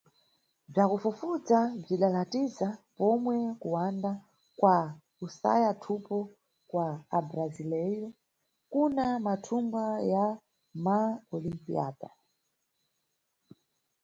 Bzwakufufudza bzwidalatiza pomwe kuwanda kwa kusaya thupo kwa abrasileiro kuna mathunga ya maOlimpíada.